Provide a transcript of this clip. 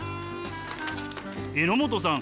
榎本さん